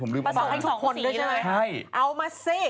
ผมลืมเอามาประสบทุกคนด้วยใช่ไหมใช่เอามาสิ